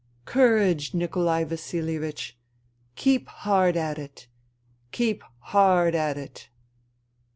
Courage, Nikolai Vasilievich I Keep hard at it ! Keep hard at it